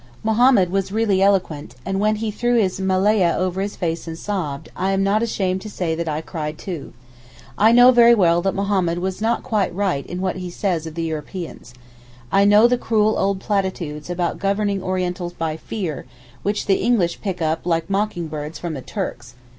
Mahommed was really eloquent, and when he threw his melayeh over his face and sobbed, I am not ashamed to say that I cried too. I know very well that Mahommed was not quite wrong in what he says of the Europeans. I know the cruel old platitudes about governing Orientals by fear which the English pick up like mocking birds from the Turks.